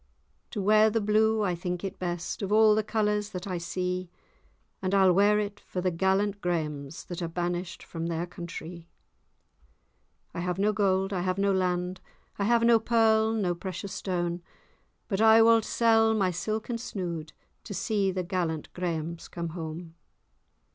To wear the blue I think it best, Of all the colours that I see; And I'll wear it for the gallant Grahams, That are banished from their countrie. I have no gold, I have no land, I have no pearl nor precious stane; But I wald sell my silken snood, To see the gallant Grahams come hame.